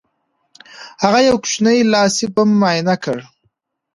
هغه یو کوچنی لاسي بم معاینه کړ